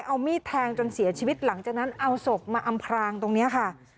เอามีดแทงจนเสียชีวิตหลังจากนั้นเอาศพมาอำพรางตรงนี้ค่ะ